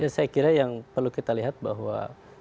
saya kira yang perlu kita lihat bahwa